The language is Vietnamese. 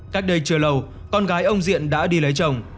cách đây chưa lâu con gái ông diện đã đi lấy chồng